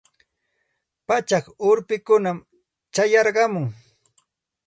Pachak urpikunam chayarqamun.